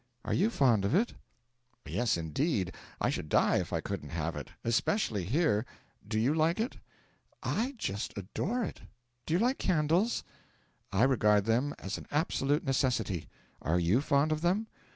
Are you fond of it?' 'Yes, indeed; I should die if I couldn't have it especially here. Do you like it?' 'I just adore it! Do you like candles?' 'I regard them as an absolute necessity. Are you fond of them?'